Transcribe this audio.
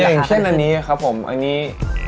อย่างเช่นอันนี้ครับผมอันนี้